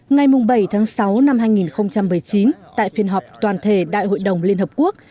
ngày bảy sáu hai nghìn một mươi chín tại phiên họp toàn thể đại hội đồng liên hợp quốc